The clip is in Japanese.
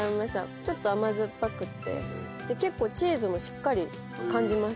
ちょっと甘酸っぱくて結構チーズもしっかり感じます。